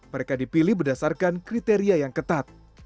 mereka dipilih berdasarkan kriteria yang ketat